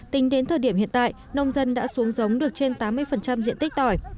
tính đến thời điểm hiện tại nông dân đã xuống giống được trên tám mươi diện tích tỏi